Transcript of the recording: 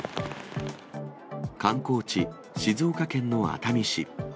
観光地、静岡県の熱海市。